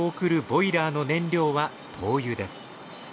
ボイラーの燃料は灯油です